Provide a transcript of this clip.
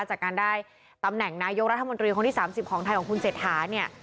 จากการได้ตำแหน่งนายกรัฐมนตรีคนที่๓๐ของไทยของคุณเศรษฐาเนี่ย